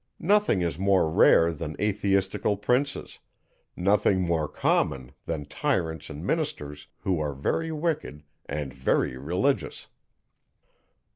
Nothing is more rare, than atheistical princes; nothing more common, than tyrants and ministers, who are very wicked and very religious.